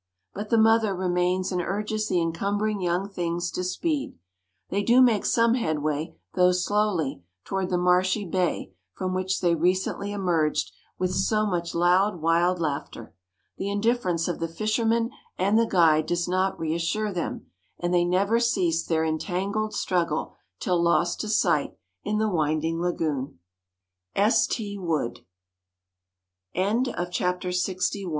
But the mother remains and urges the encumbering young things to speed. They do make some headway, though slowly, toward the marshy bay from which they recently emerged with so much loud, wild laughter. The indifference of the fisherman and the guide does not reassure them, and they never cease their entangled struggle till lost to sight in the winding lagoon. S. T. Wood TO THE CUCKOO O blithe Ne